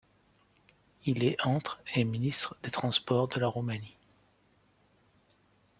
Il est entre et ministre des Transports de la Roumanie.